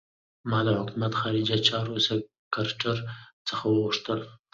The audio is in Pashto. ما د حکومت خارجه چارو سکرټر څخه وغوښتل.